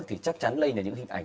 thì chắc chắn là những hình ảnh